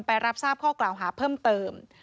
รับทราบข้อกล่าวหาเพิ่มเติม